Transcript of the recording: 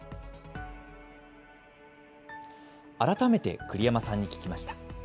改めて、栗山さんに聞きました。